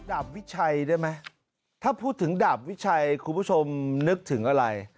ดาบวิชัยได้ไหมถ้าพูดถึงดาบวิชัยคุณผู้ชมนึกถึงอะไร